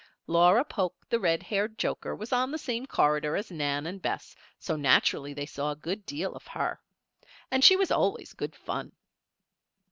Laura Polk, the red haired joker, was on the same corridor as Nan and Bess, so naturally they saw a good deal of her. And she was always good fun.